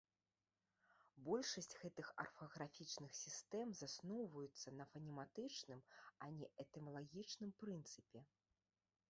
Большасць гэтых арфаграфічных сістэм засноўваюцца на фанематычным, а не этымалагічным прынцыпе.